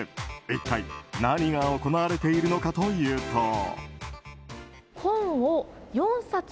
一体、何が行われているのかというと。